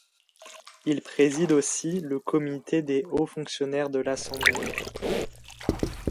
Il préside aussi le Comité des hauts fonctionnaires de l’Assemblée.